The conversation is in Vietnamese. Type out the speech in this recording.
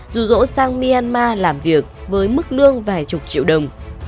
dù dỗ sang myanmar làm việc với mức lương vài chục triệu đồng